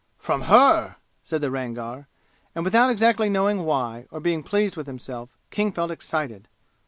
"From her!" said the Rangar, and without exactly knowing why, or being pleased with himself, King felt excited.